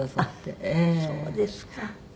あっそうですか。